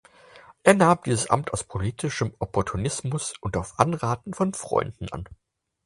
Er nahm dieses Amt aus politischem Opportunismus und auf Anraten von Freunden an.